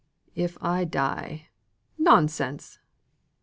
"If I die " "Nonsense!"